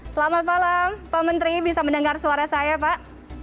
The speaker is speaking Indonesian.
selamat malam pak menteri bisa mendengar suara saya pak